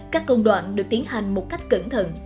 các công đoạn được tiến hành một cách cẩn thận